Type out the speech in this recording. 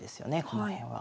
この辺は。